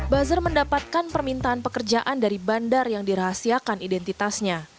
buzzer mendapatkan permintaan pekerjaan dari bandar yang dirahasiakan identitasnya